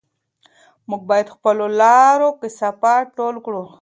موږ باید د خپلو لارو کثافات ټول کړو.